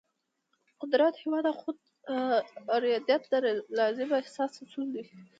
قدرت، هیواد او خود ارادیت د ریالیزم اساسي اصول دي.